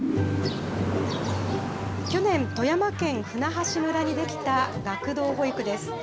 去年、富山県舟橋村に出来た学童保育です。